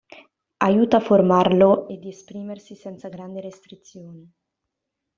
Aiuta a formarlo e di esprimersi senza grandi restrizioni.